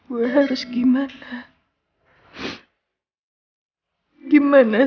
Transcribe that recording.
bu elsa ada kunjungan buat ibu mari ikut saya